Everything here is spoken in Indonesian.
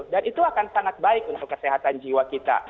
dan itu akan sangat baik untuk kesehatan jiwa kita